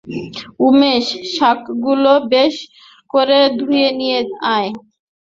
উমেশ, শাকগুলো বেশ করে ধুয়ে নিয়ে আয়।